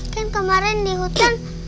kan kemarin di hutan